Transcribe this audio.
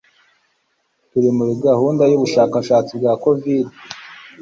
turi muri gahunda y’ubushakashatsi bwa Covid